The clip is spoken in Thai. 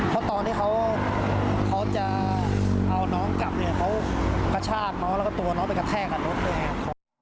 เพราะตอนที่เขาจะเอาน้องกลับเนี่ยเขากระชากน้องแล้วก็ตัวน้องไปกระแทกกับรถด้วยไง